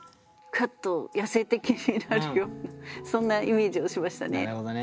クッと野性的になるようなそんなイメージをしましたね。